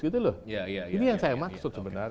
gitu loh ini yang saya maksud sebenarnya